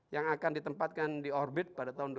yang akan ditempatkan di orbit pada tahun dua ribu dua puluh tiga